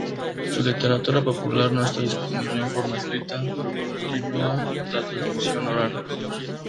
Su literatura popular no está disponible en forma escrita, pero continua la transmisión oral.